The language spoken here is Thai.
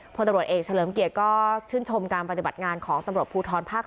พลตำรวจเอกเฉลิมเกียรติก็ชื่นชมการปฏิบัติงานของตำรวจภูทรภาค๓